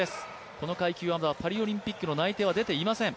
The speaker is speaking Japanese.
この階級はまだパリオリンピックの内定は出ておりません。